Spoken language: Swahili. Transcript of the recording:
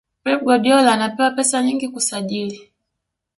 pep guardiola anapewa pesa nyingi kusajili